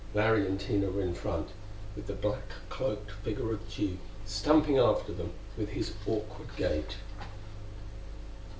Larry and Tina were in front, with the black cloaked figure of Tugh stumping after them with his awkward gait.